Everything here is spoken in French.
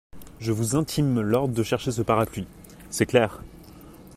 Je vous intime l’ordre de chercher ce parapluie… c’est clair !